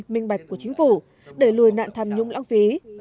minh bạch của chính phủ để lùi nạn tham nhũng lãng phí